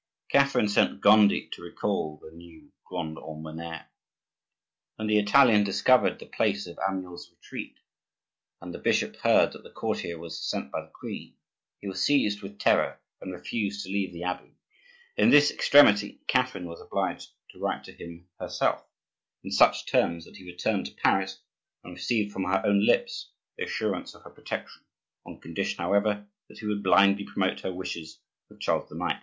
Catherine sent Gondi to recall the new grand almoner. When the Italian discovered the place of Amyot's retreat, and the bishop heard that the courtier was sent by the queen, he was seized with terror and refused to leave the abbey. In this extremity Catherine was obliged to write to him herself, in such terms that he returned to Paris and received from her own lips the assurance of her protection,—on condition, however, that he would blindly promote her wishes with Charles IX.